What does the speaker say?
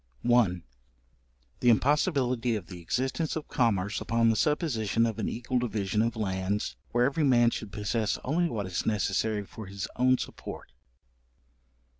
6. §1. The impossibility of the existence of Commerce upon the supposition of an equal division of lands, where every man should possess only what is necessary for his own support.